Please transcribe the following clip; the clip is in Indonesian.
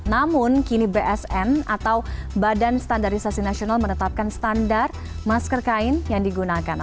namun kini bsn atau badan standarisasi nasional menetapkan standar masker kain yang digunakan